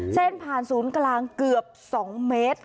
เส้นผ่านศูนย์กลางเกือบ๒เมตร